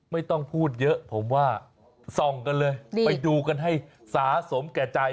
ไม่ต้องพูดเยอะผมว่าส่องกันเลยไปดูกันให้สาสมแก่ใจ